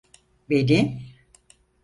Beni...